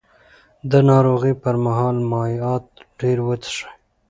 د ناروغۍ پر مهال مایعات ډېر وڅښئ.